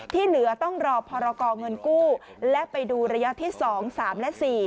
ที่เหลือต้องรอพรกรเงินกู้และไปดูระยะที่๒๓และ๔